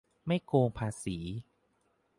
ไม่โกงภาษี